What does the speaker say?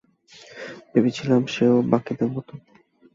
ভেবেছিলাম সে-ও বাকিদের মতোই।